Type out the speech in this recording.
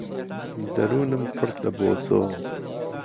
دهروونم پڕ له بۆسۆ